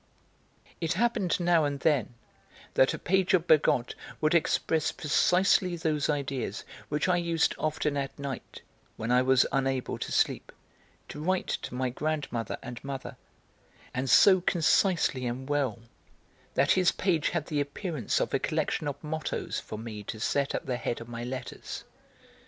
It happened now and then that a page of Bergotte would express precisely those ideas which I used often at night, when I was unable to sleep, to write to my grandmother and mother, and so concisely and well that his page had the appearance of a collection of mottoes for me to set at the head of my letters.